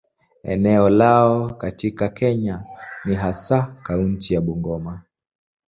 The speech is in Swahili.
Eneo lao katika Kenya ni hasa kaunti ya Bungoma.